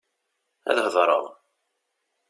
Ad hedṛeɣ.